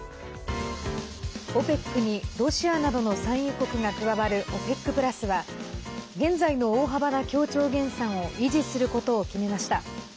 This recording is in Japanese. ＯＰＥＣに、ロシアなどの産油国が加わるＯＰＥＣプラスは現在の大幅な協調減産を維持することを決めました。